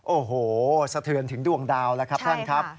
โอ้โหสะเทือนถึงดวงดาวละครับครับ